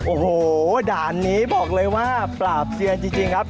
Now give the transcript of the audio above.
โอ้โหด่านนี้บอกเลยว่าปราบเซียนจริงครับ